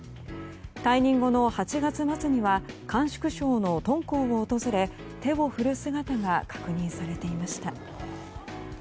退任後の８月末には甘粛省の敦煌を訪れ手を振る姿が確認されていました。